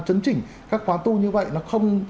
chấn chỉnh các khóa tu như vậy nó không